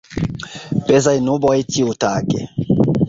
Pezaj nuboj ĉiutage.